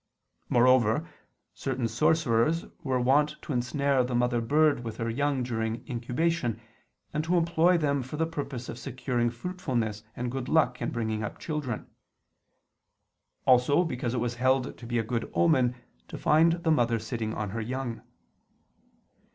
Moreover certain sorcerers were wont to ensnare the mother bird with her young during incubation, and to employ them for the purpose of securing fruitfulness and good luck in bringing up children: also because it was held to be a good omen to find the mother sitting on her young.